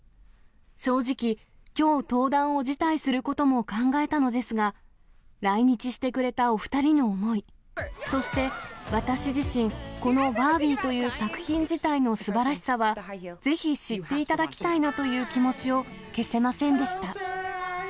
正直、きょう登壇を辞退することも考えたのですが、来日してくれたお２人の思い、そして、私自身、このバービーという作品自体のすばらしさは、ぜひ知っていただきたいなという気持ちを消せませんでした。